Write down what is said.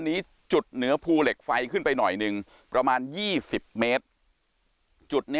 นี้จุดเหนือภูเหล็กไฟขึ้นไปหน่อยหนึ่งประมาณ๒๐เมตรจุดนี้